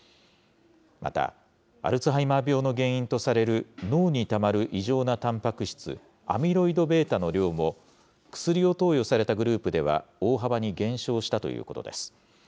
また、アルツハイマー病の原因とされる脳にたまる異常なたんぱく質、アミロイドβの量も、薬を投与されたグループでは大幅に減少したということです。